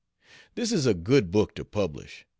This is a good book to publish.